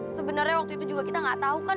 sebenernya waktu itu juga kita gak tau kan